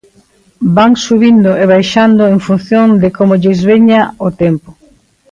Van subindo e baixando en función de como lles veña o tempo.